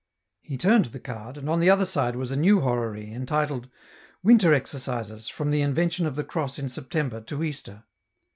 He turned the card, and on the other side was a new horary, entitled :—" Winter Exercises, from the Invention of the Cross in September to Easter."